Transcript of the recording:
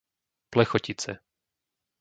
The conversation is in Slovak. Plechotice